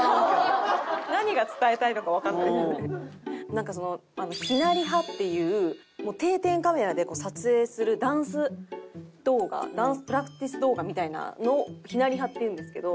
なんか「ひなリハ」っていう定点カメラで撮影するダンス動画ダンスプラクティス動画みたいなのを「ひなリハ」っていうんですけど。